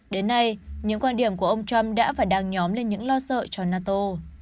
đến nay những quan điểm của ông trump đã và đang nhóm lên những lo sợ cho nato